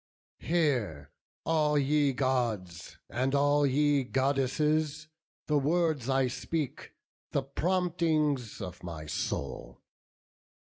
"Hear, all ye Gods, and all ye Goddesses, The words I speak, the promptings of my soul.